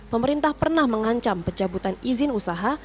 pemerintah pernah mengancam pecah butan izin usaha